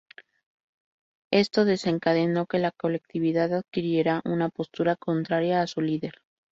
Esto desencadenó que la colectividad adquiriera una postura contraria a su líder.